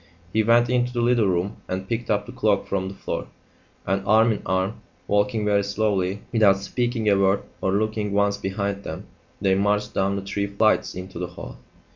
He went into the little room and picked up the cloak from the floor, and, arm in arm, walking very slowly, without speaking a word or looking once behind them, they marched down the three flights into the hall.